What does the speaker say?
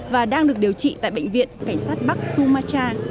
và đang được điều trị tại bệnh viện cảnh sát bắc sumach